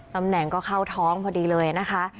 ตำแหน่งก็เข้าท้องพอดีเลยนะคะ